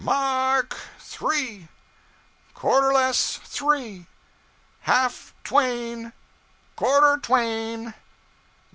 M a r k three!... Quarter less three!... Half twain!... Quarter twain!...